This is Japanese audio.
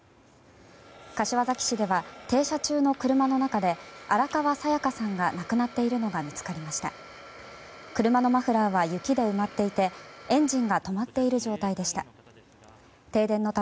柏崎市では、停車中の車の中で荒川紗夜嘉さんが亡くなっているのが見つかりました。